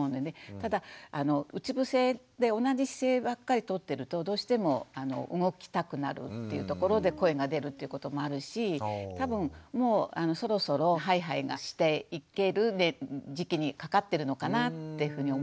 ただうつ伏せで同じ姿勢ばっかりとってるとどうしても動きたくなるっていうところで声が出るっていうこともあるし多分もうそろそろはいはいがしていける時期にかかってるのかなってふうに思うし。